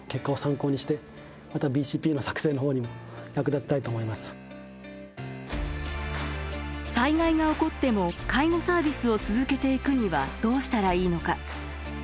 ざっと見ると災害が起こっても介護サービスを続けていくにはどうしたらいいのか。